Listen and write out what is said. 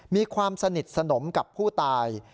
มีความสนิทสนมกับผู้ตาย